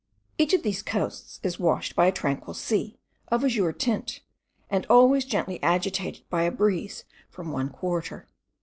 Each of these coasts is washed by a tranquil sea, of azure tint, and always gently agitated by a breeze from one quarter.